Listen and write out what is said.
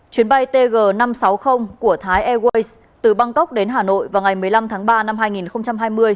chuyến bay tg năm trăm sáu mươi của thái airways từ bangkok đến hà nội vào ngày một mươi năm tháng ba năm hai nghìn hai mươi